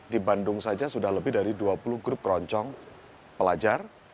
di bandung saja sudah lebih dari dua puluh grup keroncong pelajar